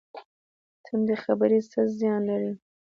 تندې خبرې څه زیان لري؟